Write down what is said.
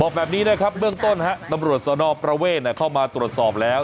บอกแบบนี้ได้ครับเมื่อต้นนะฮะน้ำรวจสนประเวทน่ะเข้ามาตรวจสอบแล้ว